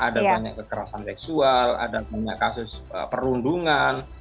ada banyak kekerasan seksual ada banyak kasus perundungan